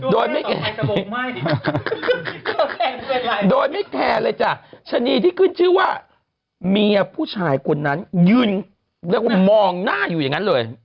โดยไม่แทนเลยจ้ะชนีที่ขึ้นชื่อว่าเมียผู้ชายคนนั้นยืนแล้วมองหน้าอยู่อย่างนั้นเลย